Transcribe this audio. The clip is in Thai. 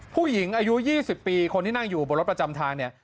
ผู้หญิงอายุ๒๐ปีคนที่นั่งอยู่บนรถประจำทางเนี่ย